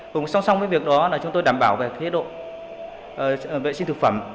cùng song song với việc đó là chúng tôi đảm bảo về chế độ vệ sinh thực phẩm